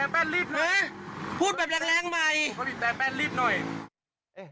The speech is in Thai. บีบแตร์แปรนรีบหน่อย